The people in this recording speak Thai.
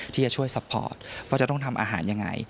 ที่จะช่วยสปอร์ตว่าจะต้องทำอาหารอย่างไร